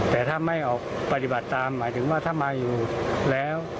แต่ถ้าไม่ออกปฏิบัติตามหมายถึงว่าถ้ามาอยู่แล้ว